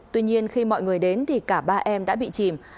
tuy nhiên khi mọi người đến thì cả ba em đã bị chìm